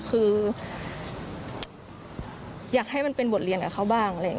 คืออยากให้มันเป็นบทเรียนกับเขาบ้าง